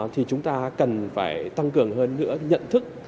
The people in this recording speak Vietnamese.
thì chúng ta cần phải tăng cường hơn nữa nhận thức